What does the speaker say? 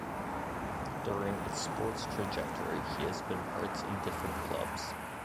During its sports trajectory, he has been parts of different clubs.